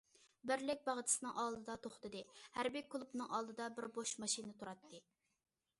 « بىرلىك» باغچىسىنىڭ ئالدىدا توختىدى، ھەربىي كۇلۇبنىڭ ئالدىدا بىر بوش ماشىنا تۇراتتى.